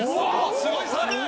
すごいサーブ！